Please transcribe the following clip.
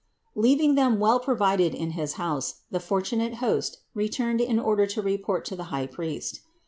Leaving Them well provided in his house, the fortunate host returned in order to report to the high priest.